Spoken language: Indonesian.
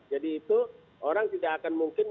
jadi itu orang tidak akan mungkin